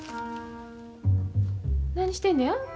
何してんのや？